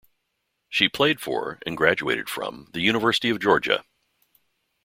She played for, and graduated from, the University of Georgia.